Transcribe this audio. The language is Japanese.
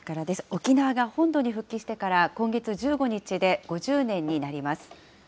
沖縄が本土に復帰してから今月１５日で５０年になります。